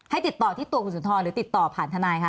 ติดต่อที่ตัวคุณสุนทรหรือติดต่อผ่านทนายคะ